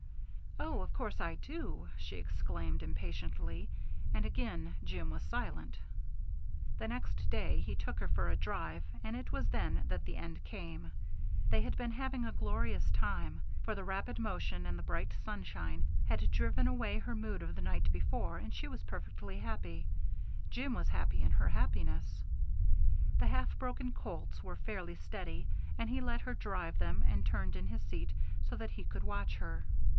"Oh, of course I do," she exclaimed impatiently, and again Jim was silent. The next day he took her for a drive and it was then that the end came. They had been having a glorious time, for the rapid motion and the bright sunshine had driven away her mood of the night before and she was perfectly happy; Jim was happy in her happiness. The half broken colts were fairly steady and he let her drive them and turned in his seat so that he could watch her.